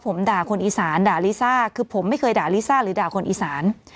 ผมด่าคนอีสานด่าลิซ่าคือผมไม่เคยด่าลิซ่าหรือด่าคนอีสาน